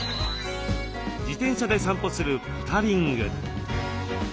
自転車で散歩するポタリング。